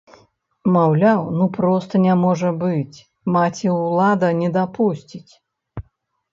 Маўляў, ну проста не можа быць, маці-ўлада не дапусціць!